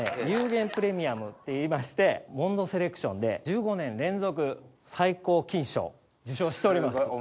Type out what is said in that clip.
「ゆう玄プレミアム」っていいましてモンドセレクションで１５年連続最高金賞受賞しております。